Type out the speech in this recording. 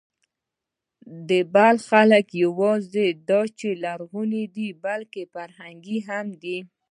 د بلخ خلک نه یواځې دا چې لرغوني دي، بلکې فرهنګي هم دي.